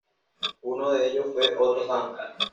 Uno de ellos fue Otto Hahn.